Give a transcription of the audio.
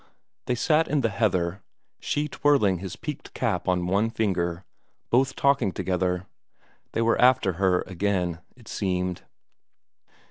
They sat in the heather, she twirling his peaked cap on one finger, both talking together they were after her again, it seemed.